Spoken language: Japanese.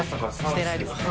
してないですね。